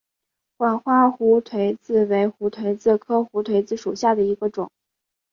管花胡颓子为胡颓子科胡颓子属下的一个种。